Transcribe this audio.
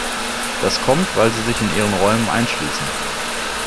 Das kommt, weil sie sich in ihren Räumen einschließen.